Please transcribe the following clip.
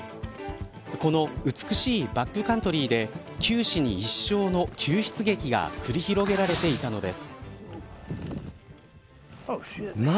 この美しいバックカントリーで九死に一生の救出劇が繰り広げられていたのです。